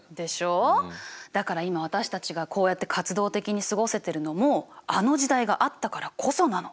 だから今私たちがこうやって活動的に過ごせてるのもあの時代があったからこそなの。